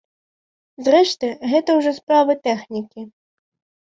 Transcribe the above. Зрэшты, гэта ўжо справа тэхнікі.